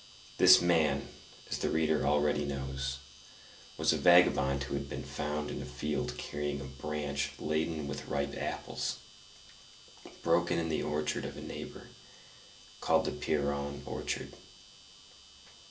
This man, as the reader already knows, was a vagabond who had been found in a field carrying a branch laden with ripe apples, broken in the orchard of a neighbor, called the Pierron orchard.